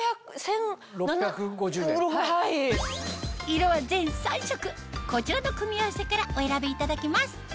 色は全３色こちらの組み合わせからお選びいただけます